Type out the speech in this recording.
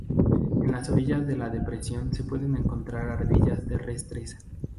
En las orillas de la depresión se pueden encontrar ardillas terrestres.